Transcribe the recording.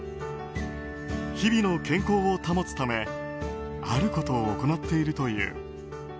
日々の健康を保つためあることを行っているという。